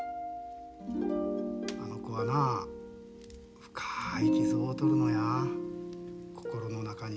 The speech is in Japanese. あの子はな深い傷を負うとるのや心の中に。